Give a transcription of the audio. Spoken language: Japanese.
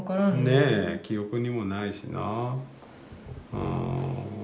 ねえ記憶にもないしな。